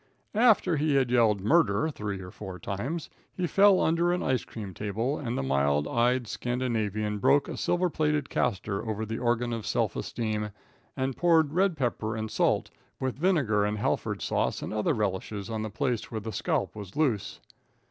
After he had yelled "Murder!" three or four times, he fell under an ice cream table, and the mild eyed Scandinavian broke a silver plated castor over the organ of self esteem, and poured red pepper, and salt, and vinegar, and Halford sauce and other relishes, on the place where the scalp was loose.